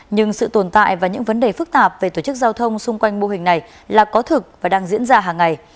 nhưng sự tồn tại và những vấn đề phức tạp về tổ chức giao thông xung quanh mô hình này là có thực và đang diễn ra hàng ngày